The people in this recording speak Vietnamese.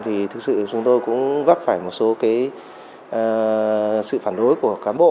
thì thực sự chúng tôi cũng gấp phải một số sự phản đối của cá bộ